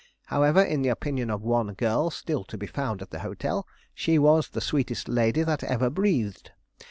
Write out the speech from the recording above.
However, in the opinion of one girl still to be found at the hotel, she was the sweetest lady that ever breathed.